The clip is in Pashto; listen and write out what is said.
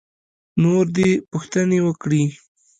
نور دې پوښتنې وکړي.